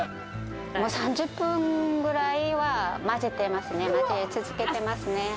もう３０分ぐらいは混ぜてますね、混ぜ続けてますね。